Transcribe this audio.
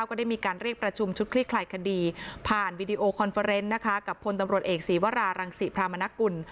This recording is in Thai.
ก็ได้มีการเรียกประชุมชุดคลิกไข่คดีผ่านวีดีโอคอนเฟอร์เฟอร์เอนต์กับพตเอกศิวารารังศรีพรามาณกุล